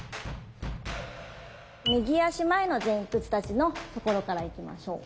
右足前の前屈立ちのところからいきましょう。